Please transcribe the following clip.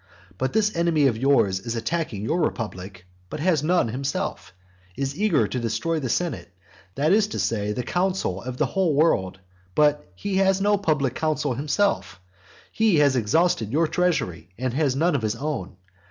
But this enemy of yours is attacking your republic, but has none himself; is eager to destroy the senate, that is to say, the council of the whole world, but has no public council himself; he has exhausted your treasury, and has none of his own.